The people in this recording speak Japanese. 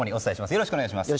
よろしくお願いします。